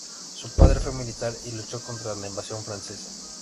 Su padre fue militar y luchó contra la invasión francesa.